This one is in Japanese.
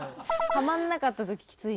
ハマんなかった時きつい。